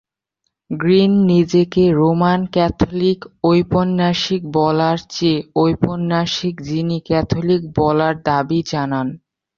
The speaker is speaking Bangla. গ্রিন নিজেকে রোমান ক্যাথলিক ঔপন্যাসিক বলার চেয়ে ঔপন্যাসিক যিনি ক্যাথলিক বলার দাবী জানান।